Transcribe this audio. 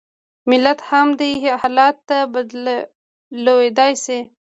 ملت هم دې حالت ته لوېدای شي.